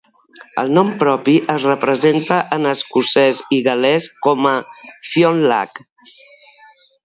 El nom propi es representa en escocès i gal·lès com a Fionnlagh.